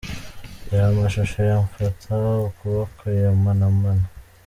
Reba amashusho ya ‘Mfata ukuboko’ ya Manamana .